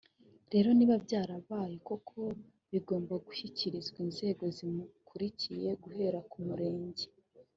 rero niba byarabaye koko bigomba gushyikirizwa inzego zimukuriye guhera ku murenge